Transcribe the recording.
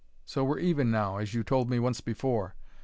So we're even now, as you told me once before.